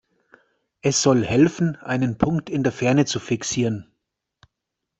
Es soll helfen, einen Punkt in der Ferne zu fixieren.